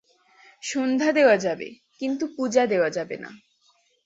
সন্ধ্যা দেওয়া যাবে কিন্তু পূজা দেওয়া যাবে না।